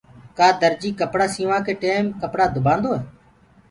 ڪآ درجي ڪپڙآ سينوآ ڪي ٽيم ڪپڙو دُبآندوئي